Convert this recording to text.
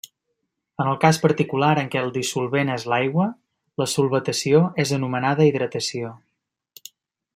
En el cas particular en què el dissolvent és l'aigua, la solvatació és anomenada hidratació.